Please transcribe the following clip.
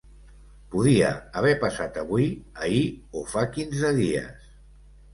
Podia haver passat avui, ahir o fa quinze dies.